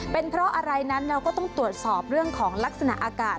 เป็นเพราะอะไรนั้นเราก็ต้องตรวจสอบเรื่องของลักษณะอากาศ